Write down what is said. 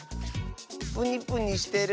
プニプニしてる？